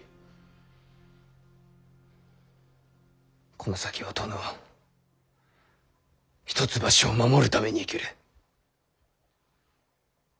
この先は殿を一橋を守るために生きる。